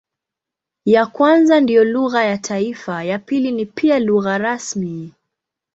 Ya kwanza ndiyo lugha ya taifa, ya pili ni pia lugha rasmi.